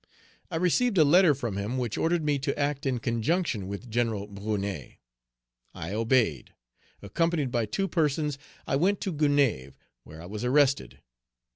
I received a letter from him which ordered me to act in conjunction with General Brunet. I obeyed. Accompanied by two persons, I went to Gonaïves, where I was arrested.